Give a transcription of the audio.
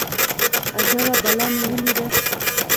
اجبه بلا مې وليده.